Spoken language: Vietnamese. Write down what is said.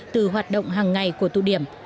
từ hoạt động hàng ngày của tụ điểm